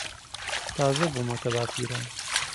تازە بوومەتە باپیرە.